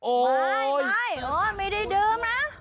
โอ๊ยโอ๊ยไม่ได้ดื่มนะ